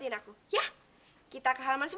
lihat dia udah jadi anak yang baik